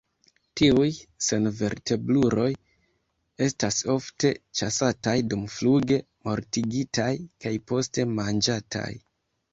Tiuj senvertebruloj estas ofte ĉasataj dumfluge, mortigitaj kaj poste manĝataj.